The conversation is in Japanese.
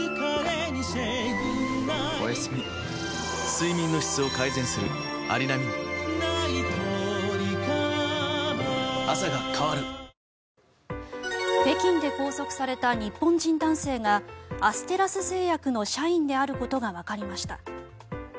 その中で台湾が孤立しないように北京で拘束された日本人男性がアステラス製薬の社員であることがわかりました。